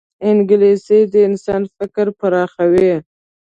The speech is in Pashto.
انګلیسي د انسان فکر پراخوي